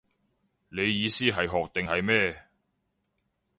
你意思係學定係咩